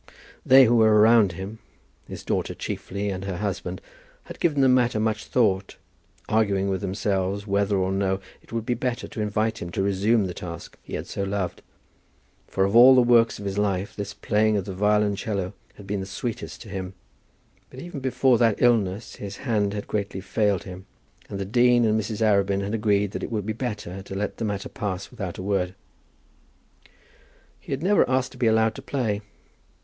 They who were around him, his daughter chiefly and her husband, had given the matter much thought, arguing with themselves whether or no it would be better to invite him to resume the task he had so loved; for of all the works of his life this playing on the violoncello had been the sweetest to him; but even before that illness his hand had greatly failed him, and the dean and Mrs. Arabin had agreed that it would be better to let the matter pass without a word. He had never asked to be allowed to play.